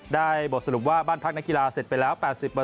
บทสรุปว่าบ้านพักนักกีฬาเสร็จไปแล้ว๘๐